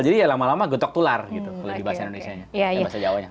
jadi ya lama lama gotok tular gitu kalau di bahasa indonesia